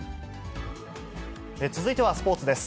続いてはスポーツです。